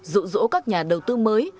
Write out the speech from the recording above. rụ rỗ các nhà đầu tư mới